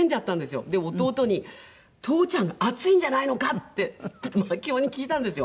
で弟に「父ちゃんが熱いんじゃないのか？」って急に聞いたんですよ。